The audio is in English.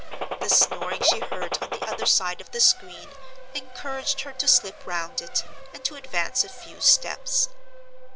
The snoring she heard on the other side of the screen encouraged her to slip round it, and to advance a few steps.